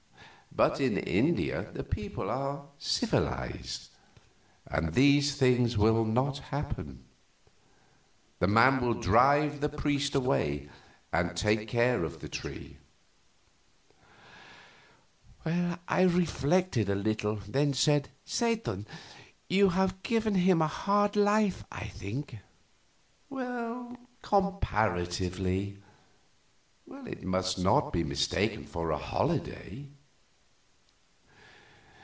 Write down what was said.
But in India the people are civilized, and these things will not happen. The man will drive the priest away and take care of the tree." I reflected a little, then said, "Satan, you have given him a hard life, I think." "Comparatively. It must not be mistaken for a holiday."